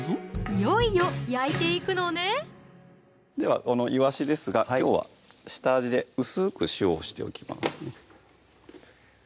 いよいよ焼いていくのねではこのいわしですがきょうは下味で薄く塩をしておきます